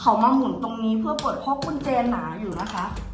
เขามาหมุนตรงนี้เพื่อปลดเพราะกุญแจหนาอยู่นะคะ